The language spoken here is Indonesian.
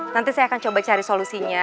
nanti saya akan coba cari solusinya